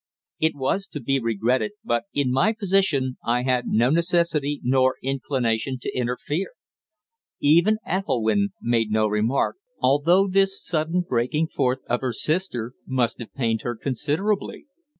It was to be regretted, but in my position I had no necessity nor inclination to interfere. Even Ethelwynn made no remark, although this sudden breaking forth of her sister must have pained her considerably.